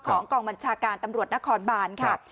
กองบัญชาการตำรวจนครบานค่ะ